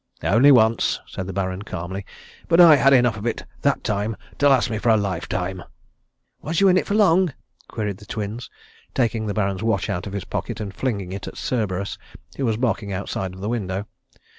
"Only once," said the Baron calmly. "But I had enough of it that time to last me for a lifetime." "Was you in it for long?" queried the Twins, taking the Baron's watch out of his pocket and flinging it at Cerberus, who was barking outside of the window.